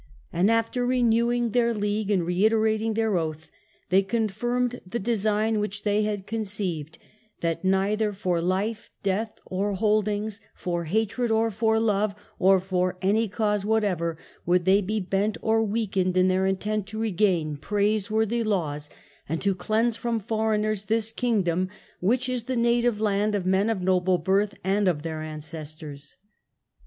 And " after renewing their league and reiterating their oath, they confirmed the design which they had conceived, that neither for life, death, or hold ings, for hatred or for love, or for any cause whatever, would they be bent or weakened in their intent to regain praiseworthy laws, and to cleanse from foreigners this kingdom, which is the native land of men of noble birth and of their ancestors